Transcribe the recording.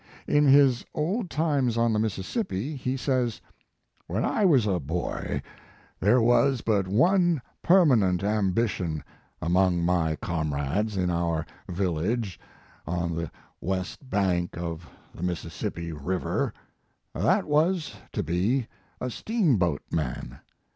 In his "Old Times on the Mississippi" he says: "When I was a boy, there was but one permanent am bition among my comrades in our village on the west bank of the Mississippi river. That was to be a steamboatman.